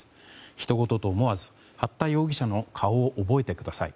ひとごとと思わず八田容疑者の顔を覚えてください。